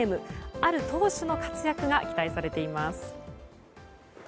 ある投手の活躍が期待されています。